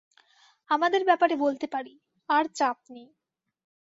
আমাদের ব্যাপারে বলতে পারি, আর চাপ নেই।